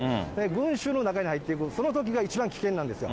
群衆の中に入っていく、そのときが一番危険なんですよ。